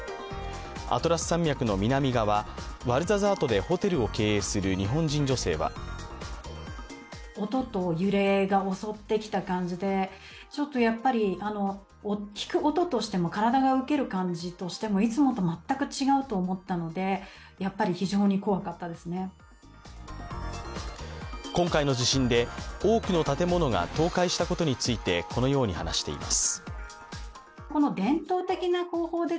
アトラス山脈の南側、ワルザザートでホテルを経営する日本人女性は今回の地震で多くの建物が倒壊したことについて、このように話しています。